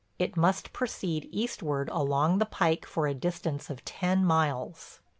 It must proceed eastward along the pike for a distance of ten miles.